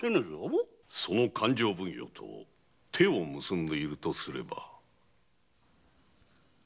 その勘定奉行と手を結んでいるとすれば。